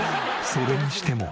それにしても。